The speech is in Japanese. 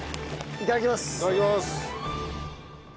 いただきます。